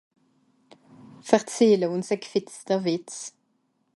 verzähle uns a g'fìtzer Wìtz